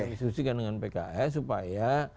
dengan pks supaya